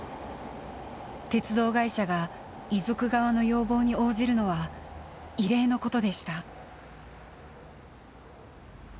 鉄道会社が遺族側の要望に応じるのは異例のことでした。